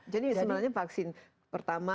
jadi sebenarnya vaksin pertama